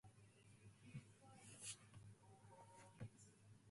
大人になるとゲームをする時間がない。